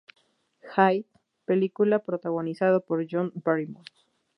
Hyde", película protagonizada por John Barrymore.